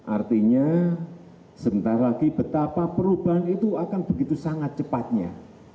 artinya sebentar lagi betapa perubahan itu akan begitu sangat cepatnya